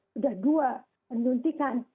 sudah dua penyuntikan